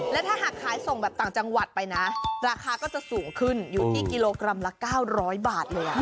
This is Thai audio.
และถ้าหากขายส่งแบบต่างจังหวัดไปนะราคาก็จะสูงขึ้นอยู่ที่กิโลกรัมละ๙๐๐บาทเลย